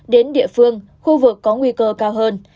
đến địa phương khu vực có nguy cơ cao hơn